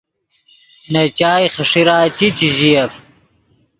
نے چائے خݰیرا چی، چے ژییف